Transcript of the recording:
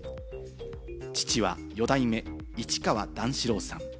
父は四代目市川段四郎さん。